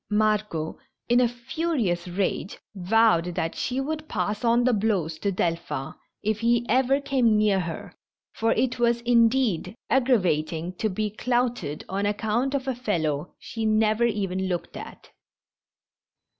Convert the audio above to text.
Margot, in a furious rage, vowed that she would pass on the blows to Delphin if he ever came near her, for it was, indeed, aggravating to be clouted on account of a fellow she never even looked at.